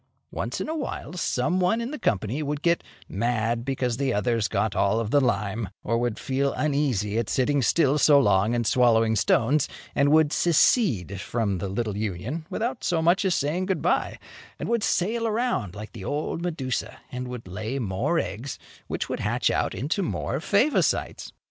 Once in a while, some one in the company would get mad because the others got all of the lime, or would feel uneasy at sitting still so long and swallowing stones, and would secede from the little union, without as much as saying "Good bye," and would sail around like the old Medusa, and would lay more eggs, which would hatch out into more Favosites.